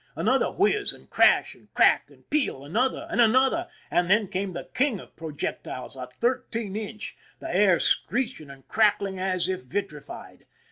Another whizz and crash and cracls: and peal, another and another, and then came the king of projectiles, a thirteen inch, the air screeching and crackling as if vitrified.